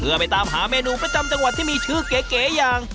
เพื่อไปตามหาเมนูประจำจังหวัดที่มีชื่อเก๋อย่าง